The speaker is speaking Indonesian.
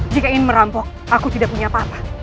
jika ingin merampok aku tidak punya apa apa